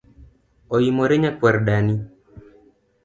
Oimore nyakuar dani